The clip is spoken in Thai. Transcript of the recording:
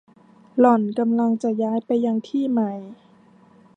หล่อนกำลังจะย้ายไปยังที่ใหม่